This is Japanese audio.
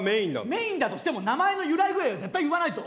メインだとしても名前の由来ぐらいは絶対言わないと。